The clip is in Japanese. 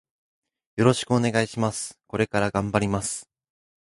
よろしくお願いします。これから頑張ります。